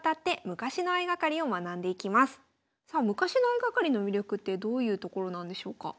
昔の相掛かりの魅力ってどういうところなんでしょうか？